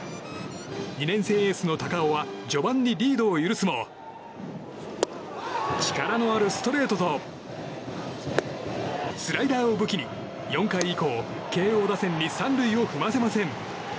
２年生エースの高尾は序盤にリードを許すも力のあるストレートとスライダーを武器に４回以降、慶應打線に３塁を踏ませません。